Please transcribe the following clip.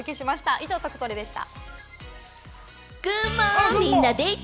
以上、トクトレでした。